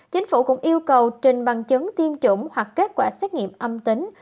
chính phủ cũng yêu cầu trình bằng chứng tiêm chủng hoặc kết quả xét nghiệm âm tính